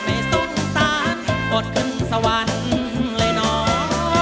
ไม่สงสารกดขึ้นสวรรค์เลยน้อง